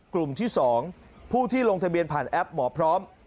กลุ่มที่๒ผู้ที่ลงทะเบียนผ่านแอปหมอพร้อม